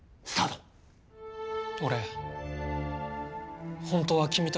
俺本当は君と。